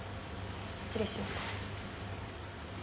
失礼します。